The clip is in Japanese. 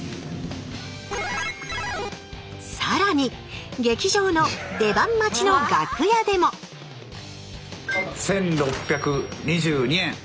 さらに劇場の出番待ちの楽屋でも１，６２２円！